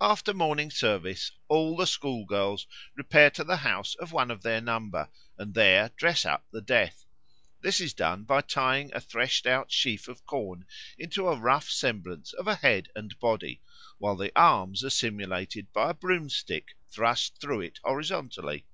After morning service all the school girls repair to the house of one of their number, and there dress up the Death. This is done by tying a threshed out sheaf of corn into a rough semblance of a head and body, while the arms are simulated by a broomstick thrust through it horizontally.